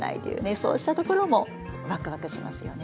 そうしたところもワクワクしますよね。